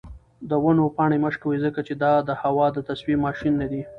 د ونو پاڼې مه شکوئ ځکه چې دا د هوا د تصفیې ماشینونه دي.